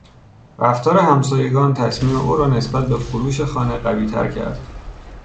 رفتار همسایگان تصمیم او را نسبت به فروش خانه قویتر کرد.